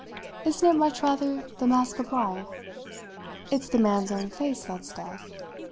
"Isn't it much rather the Mask of Life? It's the man's own face that's Death.